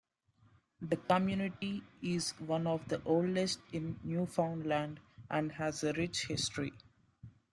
The community is one of the oldest in Newfoundland and has a rich history.